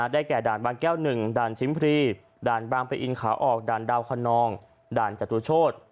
แก่ด่านบางแก้ว๑ด่านชิมพรีด่านบางปะอินขาออกด่านดาวคนนองด่านจตุโชธ